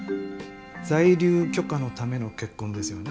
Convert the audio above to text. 在留許可のための結婚ですよね？